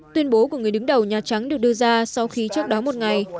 tuyên bố của người đứng đầu nhà trắng được đưa ra sau khi trước đó một ngày